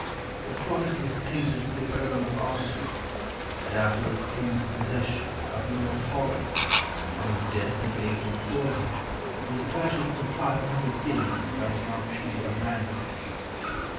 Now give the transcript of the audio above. This portrait was painted for the Earl of Ossary, and afterwards came into the possession of Lord Holland, on whose death in 1840, it was purchased for 500 guineas by the Marquis of Lansdowne.